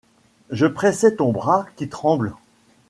Je pressais ton bras qui tremble ;